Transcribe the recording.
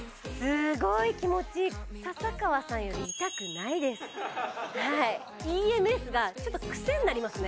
すごい気持ちいいはいＥＭＳがちょっとクセになりますね